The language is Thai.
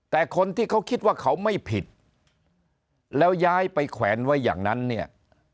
แต่คนที่เขาคิดว่าเขาไม่ผิดแล้วย้ายไปแขวนไว้อย่างนั้นเนี่ย